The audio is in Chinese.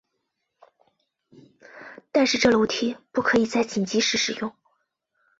但是这楼梯不可以在紧急时使用。